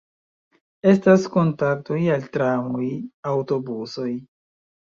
Estas kontaktoj al tramoj, aŭtobusoj.